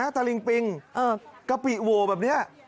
ตาลิ่งปริงกะปิโว่แบบเนี้ย